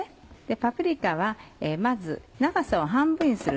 パプリカはまず長さを半分にすると。